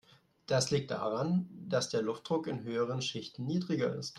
Das liegt daran, dass der Luftdruck in höheren Schichten niedriger ist.